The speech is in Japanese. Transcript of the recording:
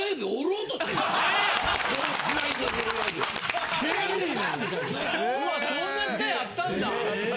・うわそんな時代あったんだ！